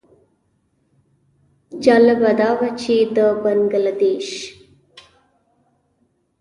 جالبه دا وه چې د بنګله دېش.